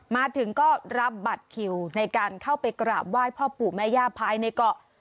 มาถึงก็รับบัตรคิวในการเข้าไปกราบไหว้พ่อปู่แม่ย่าภายในเกาะ